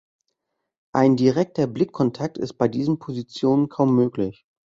Ein direkter Blickkontakt ist bei diesen Positionen kaum möglich.